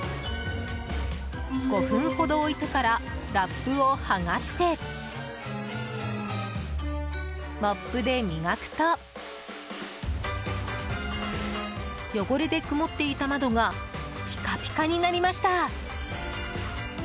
５分ほど置いてからラップを剥がしてモップで磨くと汚れで曇っていた窓がピカピカになりました。